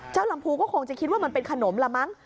ลำพูก็คงจะคิดว่ามันเป็นขนมละมั้ง